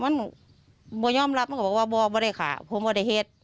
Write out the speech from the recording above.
มันมันยอมรับก็บอกว่าไม่ค่ะผมพ่อบอกว่าจะเกิด